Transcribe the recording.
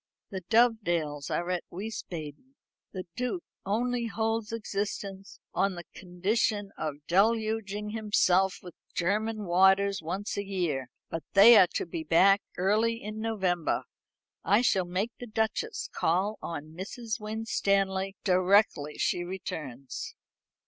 The Dovedales are at Wiesbaden; the Duke only holds existence on the condition of deluging himself with German waters once a year; but they are to be back early in November. I shall make the Duchess call on Mrs. Winstanley directly she returns."